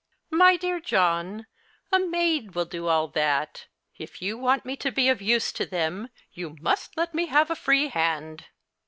" My dear John, a maid will do all that. If you want me to be of use to them you must let me have a free hand."